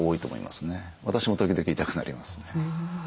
私も時々痛くなりますね。